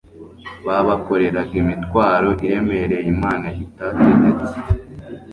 Babakoreraga imitwaro iremereye Imana itategetse.